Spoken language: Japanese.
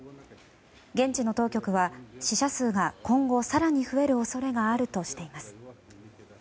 現地の当局は死者数が今後更に増える恐れがあるとしています。